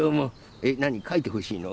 えっなにかいてほしいの？